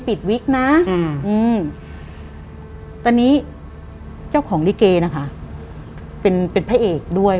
วิกนะอืมตอนนี้เจ้าของลิเกนะคะเป็นเป็นพระเอกด้วย